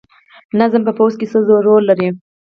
نظم په پوځ کې څه رول لري؟